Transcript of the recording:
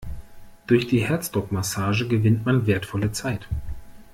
Durch die Herzdruckmassage gewinnt man wertvolle Zeit.